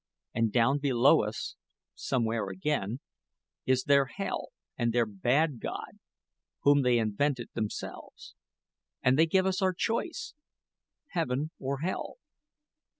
And down below us somewhere again is their hell and their bad god, whom they invented themselves. And they give us our choice Heaven or hell.